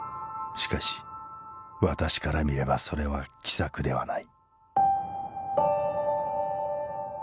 「しかし私から見ればそれは奇策ではない。